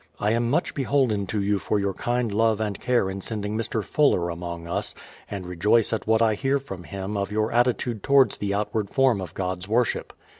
I am much be holden to you for your kind love and care in sending Mr. Fuller among us, and rejoice at what I hear from him of your attitude towards the outward form of God's worship.